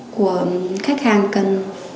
của khách hàng cần